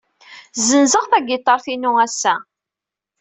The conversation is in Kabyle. Ssenzeɣ tagiṭart-inu ass-a.